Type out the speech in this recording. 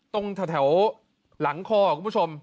ตรงแถวหลังคอคุณผู้ชม